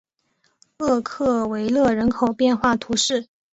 厄克维勒人口变化图示